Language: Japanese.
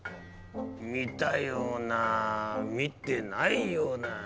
見たような見てないような。